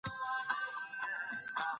تر څو چي حاجي ویده سي زه به لږ بيدېدل وکړم.